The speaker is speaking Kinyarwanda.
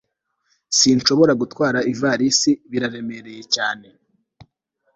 sinshobora gutwara ivalisi. biraremereye cyane